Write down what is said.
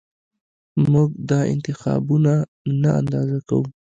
موږ دا انتخابونه نه اندازه کوو